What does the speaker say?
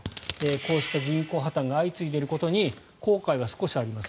こうした銀行破たんが相次いでいることに後悔は少しあります